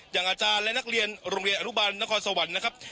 อย่างอาจารย์และนักเรียนโรงเรียนอนุบาลนครสวรรค์นะครับ